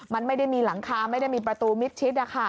มันไม่ได้มีหลังคาไม่ได้มีประตูมิดชิด